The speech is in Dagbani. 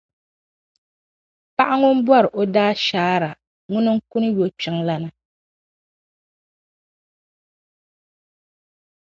Paɣa ŋun bɔri o daashaara ŋuna n-kuni yɔkpiŋlana.